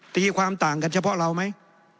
ตีความต่างกันเฉพาะเราไหม